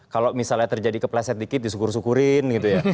kalau misalnya terjadi kepleset dikit disukur sukurin gitu ya